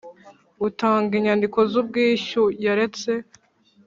utanga inyandiko z ubwishyu yaretse